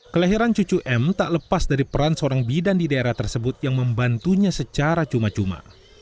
kelahiran cucu m tak lepas dari peran seorang bidan di daerah tersebut yang membantunya secara cuma cuma